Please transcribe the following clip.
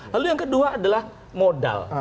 lalu yang kedua adalah modal